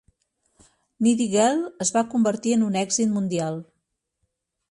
"Needy Girl" es va convertir en un èxit mundial.